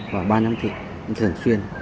và ba năm thị thường xuyên